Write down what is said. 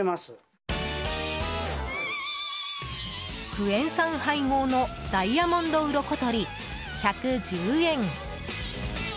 クエン酸配合のダイヤモンドウロコとり１１０円。